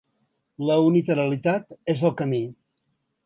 La unilateralitat és el camí.